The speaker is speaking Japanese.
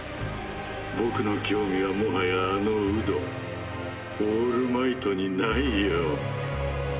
僕の興味は最早あのウドオールマイトにないよ。